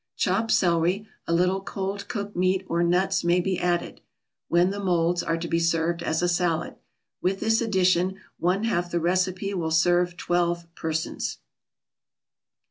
Chopped celery, a little cold cooked meat or nuts may be added, when the molds are to be served as a salad. With this addition, one half the recipe will serve twelve persons.